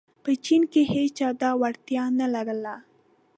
په چین کې هېچا دا وړتیا نه لرله.